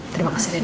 terima kasih danien